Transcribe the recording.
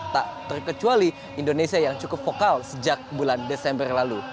tak terkecuali indonesia yang cukup vokal sejak bulan desember lalu